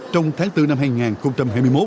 trong tháng bốn năm hai nghìn hai mươi một